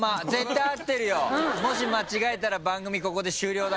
もし間違えたら番組ここで終了だけど。